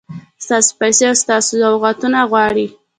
ستاسو پیسې او ستاسو سوغاتونه غواړي.